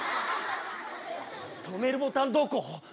止めるボタンどこ？